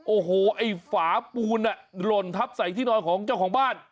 โอ้โหไอ้ฝาปูนหล่นทับใส่ที่นอนของเจ้าของบ้าน